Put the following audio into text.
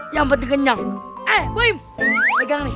yang penting kenceng